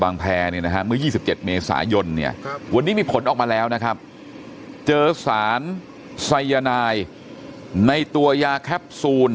เมื่อ๒๗เมษายนเนี่ยวันนี้มีผลออกมาแล้วนะครับเจอสารไซยานายในตัวยาแคปซูล